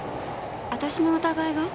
私の疑いが？